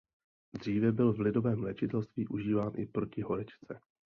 Dříve byl v lidovém léčitelství užíván i proti horečce.